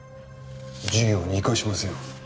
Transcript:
事業に生かしますよ。